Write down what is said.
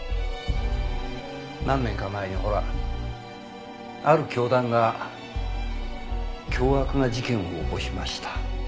何年か前にほらある教団が凶悪な事件を起こしました。